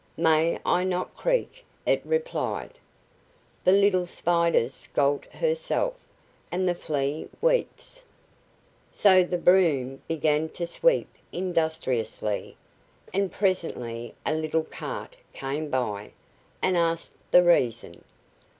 "May I not creak?" it replied: "The little Spider's scalt herself, And the Flea weeps." So the broom began to sweep industriously, and presently a little cart came by, and asked the reason.